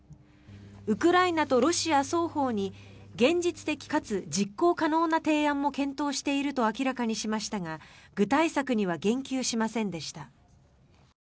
ウクライナとロシア双方に現実的かつ実行可能な提案も検討していると明らかにしましたが具体策には言及しませんでした。